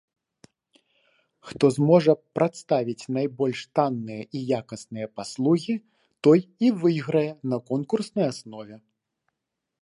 Хто зможа прадставіць найбольш танныя і якасныя паслугі, той і выйграе на конкурснай аснове.